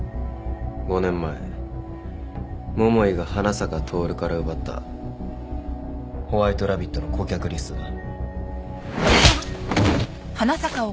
５年前桃井が花坂トオルから奪ったホワイトラビットの顧客リストだ。